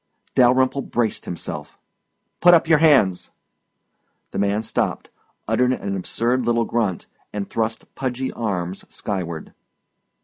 Dalyrimple braced himself. "Put up your hands!" The man stopped, uttered an absurd little grunt, and thrust pudgy arms skyward.